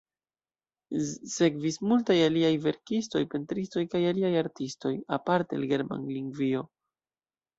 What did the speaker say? Sekvis multaj aliaj verkistoj, pentristoj kaj aliaj artistoj, aparte el Germanlingvio.